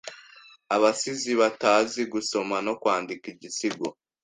abasizi batazi gusoma no kwandika Igisigo